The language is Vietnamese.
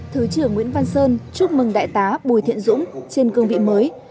thứ trưởng nguyễn văn sơn chúc mừng đại tá bùi thiện dũng trên cương vị mới